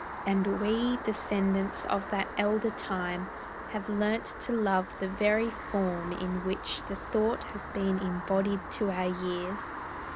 And we, descendants of that elder time, Have learnt to love the very form in which The thought has been embodied to our years.